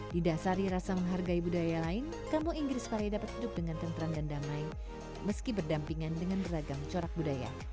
didasari rasa menghargai budaya lain kampung inggris parea dapat hidup dengan tenteran dan damai meski berdampingan dengan beragam corak budaya